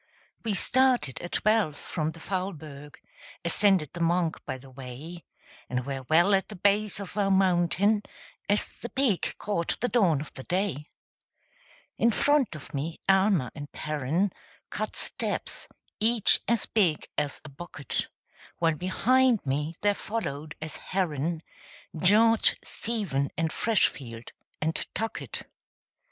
We started at twelve from the Faulberg; Ascended the Monch by the way; And were well at the base of our mountain, As the peak caught the dawn of the day. In front of me Almer and Perren Cut steps, each as big as a bucket; While behind me there followed, as Herren, George, Stephen, and Freshfield, and Tuckett.